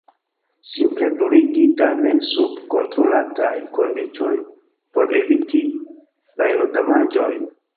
Simple bruligi – tamen sub kontrolataj kondiĉoj por eviti fajrodamaĝojn.